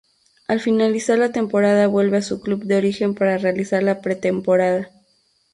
Al finalizar la temporada vuelve a su club de origen para realizar la pretemporada.